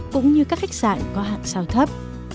cũng như các khách sạn có hạng sao thấp